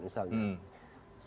misalnya soal keterlibatan interlokasi